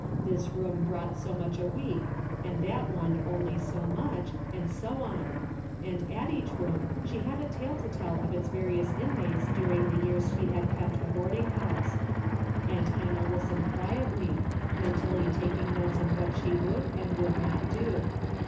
This room brought so much a week, and that one only so much, and so on, and at each room she had a tale to tell of its various inmates during the years she had kept a boarding house. Aunt Hannah listened quietly, mentally making notes of what she would and would not do.